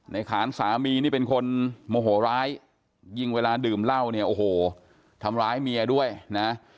ขานสามีนี่เป็นคนโมโหร้ายยิงเวลาดื่มเหล้าเนี่ยโอ้โหทำร้ายเมียด้วยนะ